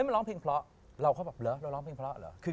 มันร้องเพลงเพราะเราก็แบบเหรอเราร้องเพลงเพราะเหรอ